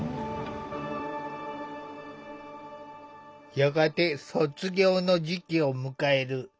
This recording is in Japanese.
やがて卒業の時期を迎える。